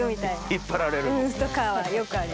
引っ張られるんですね。